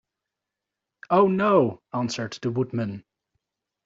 "Oh, no;" answered the Woodman.